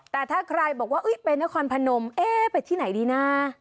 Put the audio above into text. แต่ถ้าใครบอกว่าไปนครพนมเอ๊ะไปที่ไหนดีนะ